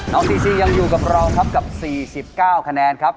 ซีซียังอยู่กับเราครับกับ๔๙คะแนนครับ